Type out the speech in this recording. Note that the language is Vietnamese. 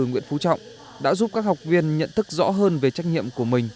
nguyễn phú trọng đã giúp các học viên nhận thức rõ hơn về trách nhiệm của mình